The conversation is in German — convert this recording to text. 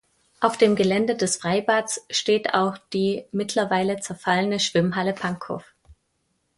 Auf dem Gelände des Freibades steht auch die mittlerweile zerfallene Schwimmhalle Pankow.